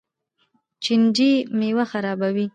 چینجي میوه خرابوي.